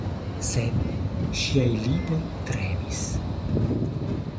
Sed ŝiaj lipoj tremis.